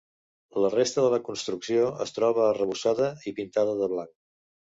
La resta de la construcció es troba arrebossada i pintada de blanc.